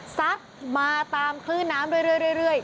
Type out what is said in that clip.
ซักมาตามคลื่นน้ำเรื่อย